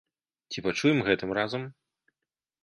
Ці пачуем гэтым разам?